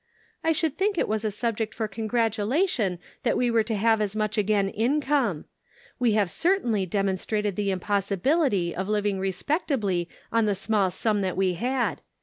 " I should think it was a subject for congratulation that we were to have as much again income. We have certainly demonstrated the impos sibility of living respectably on the small sum that we had.